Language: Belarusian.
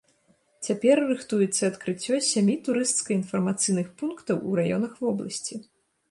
Цяпер рыхтуецца адкрыццё сямі турысцка-інфармацыйных пунктаў у раёнах вобласці.